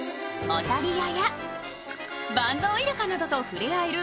オタリアやバンドウイルカなどとふれあえる